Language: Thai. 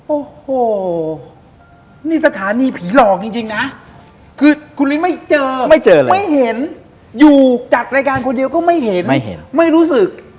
โอ้โหนี่สถานีผีหลอกจริงนะคือคุณลิ้นไม่เจอไม่เจอเลยไม่เห็นอยู่จากรายการคนเดียวก็ไม่เห็นไม่เห็นไม่รู้สึก